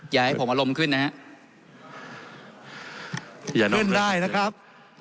อย่าให้ผมอารมณ์ขึ้นนะฮะอย่าขึ้นได้นะครับ